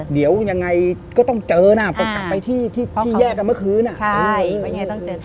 เดี๋ยวยังไงก็ต้องเจอนะพอกลับไปที่ที่แยกกันเมื่อคืน